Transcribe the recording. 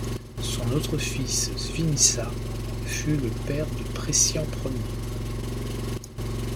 Son autre fils Sviniza fut le père de Pressian Ier.